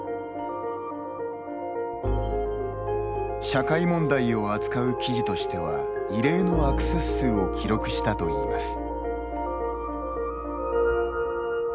社会問題を扱う記事としては異例のアクセス数を記録したといいます。